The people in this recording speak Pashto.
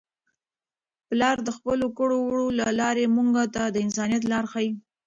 پلار د خپلو کړو وړو له لارې موږ ته د انسانیت لار ښيي.